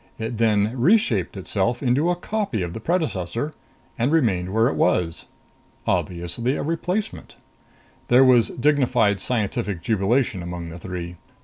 It then reshaped itself into a copy of the predecessor, and remained where it was. Obviously a replacement. There was dignified scientific jubilation among the three.